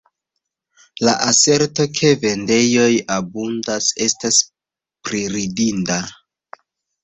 La aserto, ke vendejoj abundas, estas priridinda.